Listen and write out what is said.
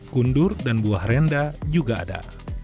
kundur dan buah rendah juga ada